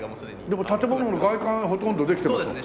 でも建物の外観ほとんどできてるんでしょ？